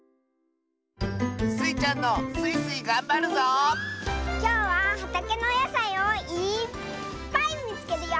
スイちゃんのきょうははたけのおやさいをいっぱいみつけるよ！